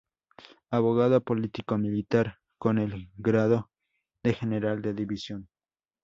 Abogado, político, militar con el grado de General de División.